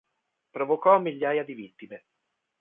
Provocò migliaia di vittime.